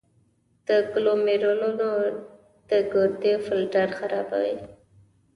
د ګلومیرولونیفریټس د ګردو فلټر خرابوي.